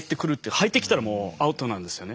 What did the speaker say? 入ってきたらもうアウトなんですよね。